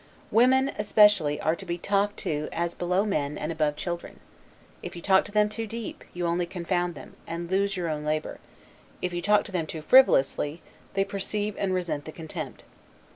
Women, especially, are to be talked to as below men and above children. If you talk to them too deep, you only confound them, and lose your own labor; if you talk to them too frivolously, they perceive and resent the contempt.